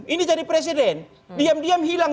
ini jadi presiden diam diam hilang